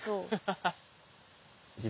ハハハッ。